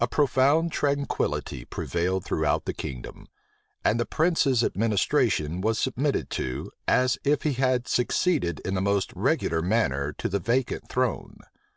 A profound tranquillity prevailed throughout the kingdom; and the prince's administration was submitted to, as if he had succeeded in the most regular manner to the vacant throne.